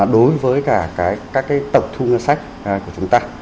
đối với cả các tổng thu ngân sách của chúng ta